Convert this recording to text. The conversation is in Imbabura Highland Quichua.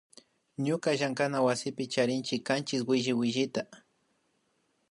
Ñuka llankaywasipi charinchi kanchis williwillita